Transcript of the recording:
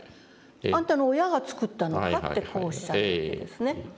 「あんたの親が作ったのか？」ってこうおっしゃるわけですね。